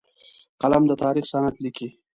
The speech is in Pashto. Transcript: قلم د تاریخ سند لیکي